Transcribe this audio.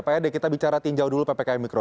pak ade kita bicara tinjau dulu ppkm mikro